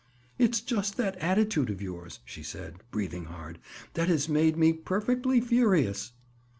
"It's just that attitude of yours," she said, breathing hard, "that has made me perfectly furious."